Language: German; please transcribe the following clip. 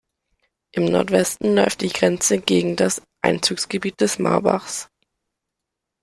Im Nordwesten läuft die Grenze gegen das Einzugsgebiet des Marbachs.